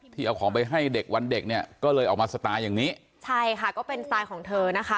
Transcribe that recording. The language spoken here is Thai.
เอาของไปให้เด็กวันเด็กเนี่ยก็เลยออกมาสไตล์อย่างนี้ใช่ค่ะก็เป็นสไตล์ของเธอนะคะ